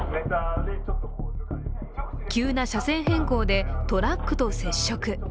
急な車線変更でトラックと接触。